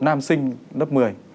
nam sinh lớp một mươi